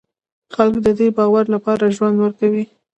خلک د دې باور لپاره ژوند ورکوي.